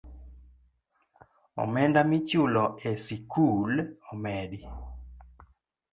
Omenda michulo e sikul omedi